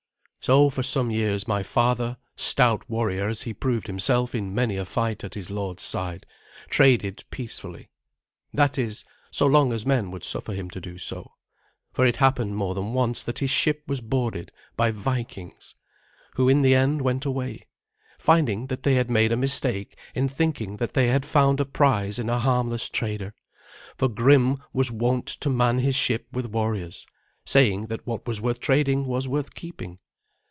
So for some years my father, stout warrior as he proved himself in many a fight at his lord's side, traded peacefully that is, so long as men would suffer him to do so; for it happened more than once that his ship was boarded by Vikings, who in the end went away, finding that they had made a mistake in thinking that they had found a prize in a harmless trader, for Grim was wont to man his ship with warriors, saying that what was worth trading was worth keeping.